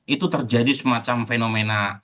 itu terjadi semacam fenomena